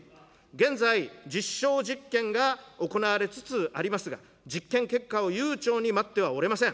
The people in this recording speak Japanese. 現在、実証実験が行われつつありますが、実験結果を悠長に待ってはおれません。